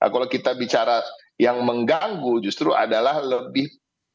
kalau kita bicara yang mengganggu justru adalah lebih